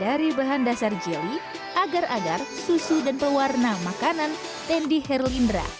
dari bahan dasar jelly agar agar susu dan pewarna makanan tendy herlindra